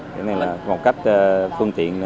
thế này là một cách phương tiện